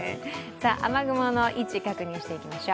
雨雲の位置、確認していきましょう。